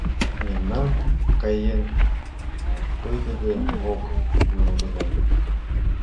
Мемнан каен пытыде ок йоҥгыдем.